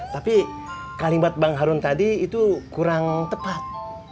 tapi kalimat bang harun tadi itu kurang tepat